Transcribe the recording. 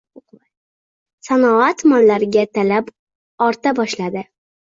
Sanoat mollariga talab orta boshladi